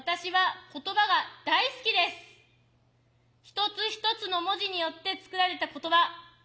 一つ一つの文字によって作られた言葉